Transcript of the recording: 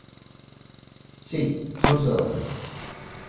Sí, son sábanas.